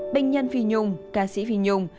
bệnh nhân phi nhung ca sĩ phi nhung